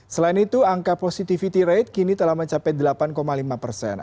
selain itu angka positivity rate kini telah mencapai delapan lima persen